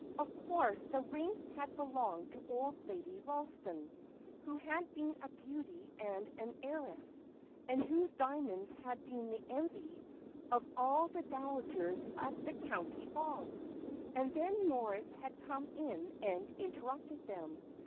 Of course the ring had belonged to old Lady Ralston, who had been a beauty and an heiress, and whose diamonds had been the envy of all the dowagers at the county ball. And then Moritz had come in and interrupted them.